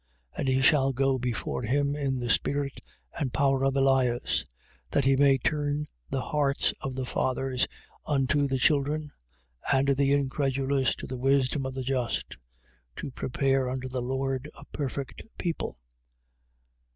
1:17. And he shall go before him in the spirit and power of Elias: that he may turn the hearts of the fathers unto the children and the incredulous to the wisdom of the just, to prepare unto the Lord a perfect people.